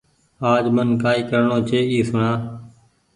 آج من ڪآئي ڪرڻو ڇي اي سوڻآ